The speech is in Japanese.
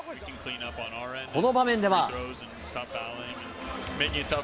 この場面では。